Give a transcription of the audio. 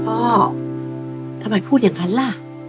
พ่อทำไมพูดอย่างนั้นล่ะ